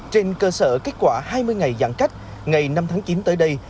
trên cơ sở kết quả hai mươi ngày giãn cách ngày năm tháng chín tới đây